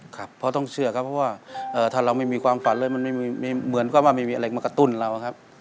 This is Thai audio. ครับเพราะต้องเชื่อครับเพราะว่าถ้าเราไม่มีความฝันเลยมันเหมือนกับว่าไม่มีอะไรมากระตุ้นเราครับ